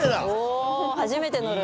お初めて乗る。